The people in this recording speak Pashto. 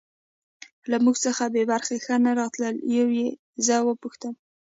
له موږ څخه یې بېخي ښه نه راتلل، یوه یې زه و پوښتم.